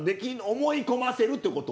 思い込ませるってこと？